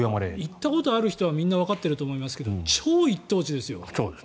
行ったことがある人はみんなわかってると思いますが超一等地ですよ。